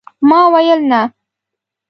ما ويل ، نه !